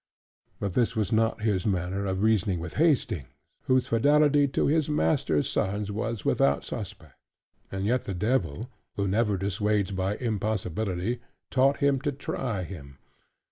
But this was not his manner of reasoning with Hastings, whose fidelity to his master's sons was without suspect: and yet the Devil, who never dissuades by impossibility, taught him to try him.